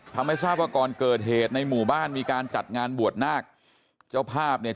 ทำให้ทราบว่าก่อนเกิดเหตุในหมู่บ้านมีการจัดงานบวชนาคเจ้าภาพเนี่ย